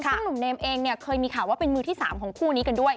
ซึ่งหนุ่มเนมเองเนี่ยเคยมีข่าวว่าเป็นมือที่๓ของคู่นี้กันด้วย